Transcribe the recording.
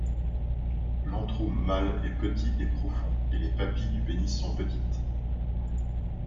L'antrum mâle est petit et profond et les papilles du pénis sont petites.